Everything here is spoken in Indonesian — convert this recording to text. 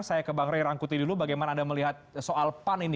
saya ke bang ray rangkuti dulu bagaimana anda melihat soal pan ini